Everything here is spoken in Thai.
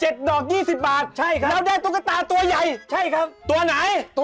๗ดอก๒๐บาท